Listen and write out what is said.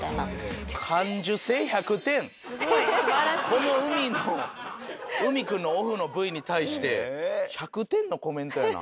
このＵＭＩ君のオフのＶに対して１００点のコメントやな。